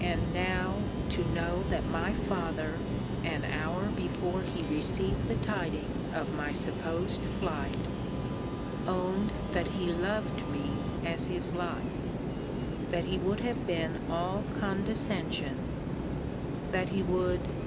And now, to know that my father, an hour before he received the tidings of my supposed flight, owned that he loved me as his life: that he would have been all condescension: that he would Oh!